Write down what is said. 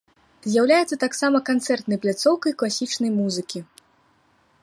З'яўляецца таксама канцэртнай пляцоўкай класічнай музыкі.